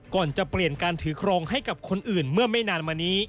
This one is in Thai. ก่อนจะเปลี่ยนการถือครองให้กับคนอื่นเมื่อไม่นานมานี้